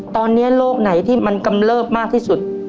ตอนนี้โรคไหนที่มันกำเลิบมากที่สุด